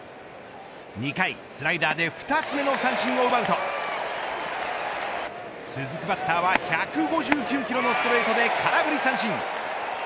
２回、スライダーで２つ目の三振を奪うと続くバッターは１５９キロのストレートで空振り三振。